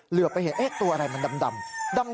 เหลือไปเห็นตัวอะไรมันดำ